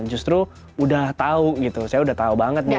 justru udah tahu gitu saya udah tahu banget nih